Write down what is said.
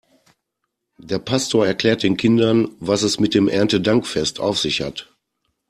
Der Pastor erklärt den Kindern, was es mit dem Erntedankfest auf sich hat.